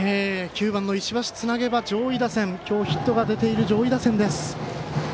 ９番の石橋つなげば今日ヒットが出ている上位打線です。